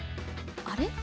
あれ？